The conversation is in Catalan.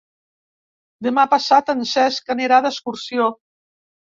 Demà passat en Cesc anirà d'excursió.